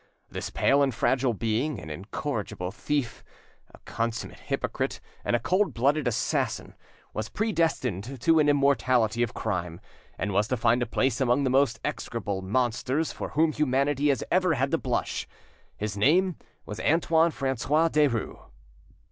This pale and fragile being, an incorrigible thief, a consummate hypocrite, and a cold blooded assassin, was predestined to an immortality of crime, and was to find a place among the most execrable monsters for whom humanity has ever had to blush; his name was Antoine Francois Derues.